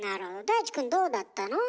大地くんどうだったの？